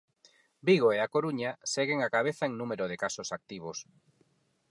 Vigo e A Coruña, seguen á cabeza en número de casos activos.